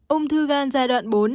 ung thư gan giai đoạn bốn